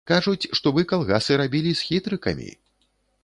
Кажуць, што вы калгасы рабілі з хітрыкамі.